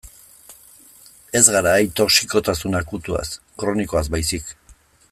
Ez gara ari toxikotasun akutuaz, kronikoaz baizik.